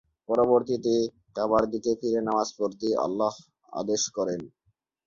পরবর্তীতে কাবার দিকে ফিরে নামাজ পড়তে আল্লাহ আদেশ করেন।